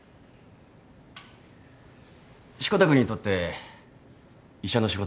志子田君にとって医者の仕事って何なの？